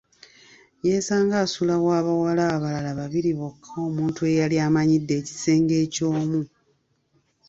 Yeesanga asula wa bawala abalala babiri bokka omuntu eyali amanyidde ekisenge ky’omu.